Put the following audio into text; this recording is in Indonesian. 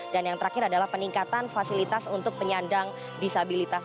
dan yang terakhir adalah peningkatan fasilitas untuk penyandang disabilitas